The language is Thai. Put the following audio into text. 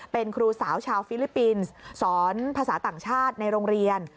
เป็นครูสาวชาวฟิลิปปินส์สอนภาษาต่างชาติในโรงเรียน